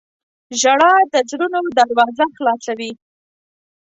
• ژړا د زړونو دروازه خلاصوي.